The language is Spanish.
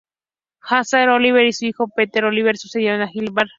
Isaac Oliver y su hijo Peter Oliver sucedieron a Hilliard.